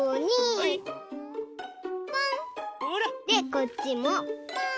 こっちもポン！